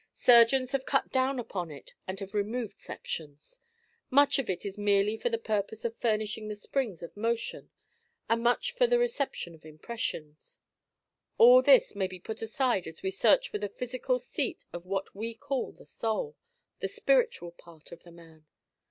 Surgeons have cut down upon it and have removed sections. Much of it is merely for the purpose of furnishing the springs of motion, and much for the reception of impressions. All this may be put aside as we search for the physical seat of what we call the soul the spiritual part of the man.